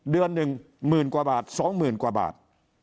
เดือนหนึ่งหมื่นกว่าบาท๒๐๐๐กว่าบาท